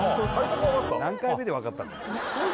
何回目で分かったんですか